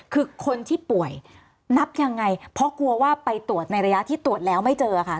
คือคนที่ป่วยนับยังไงเพราะกลัวว่าไปตรวจในระยะที่ตรวจแล้วไม่เจอค่ะ